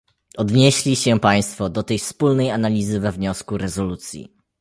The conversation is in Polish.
Odnieśli się państwo do tej wspólnej analizy we wniosku rezolucji